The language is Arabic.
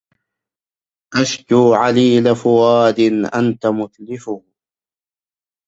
أشكو عليل فؤاد أنت متلفه